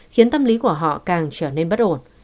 khiến tâm lý của họ càng trở nên bất ổn